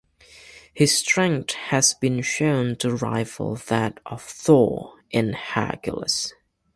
His strength has been shown to rival that of Thor, and Hercules.